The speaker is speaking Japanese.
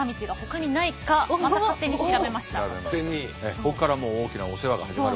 ここからもう大きなお世話が始まる。